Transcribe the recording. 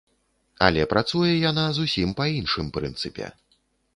Але працуе яна зусім па іншым прынцыпе.